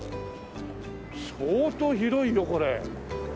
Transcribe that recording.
相当広いよこれ。